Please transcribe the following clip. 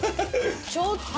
ちょっと。